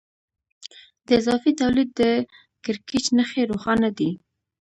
د اضافي تولید د کړکېچ نښې روښانه دي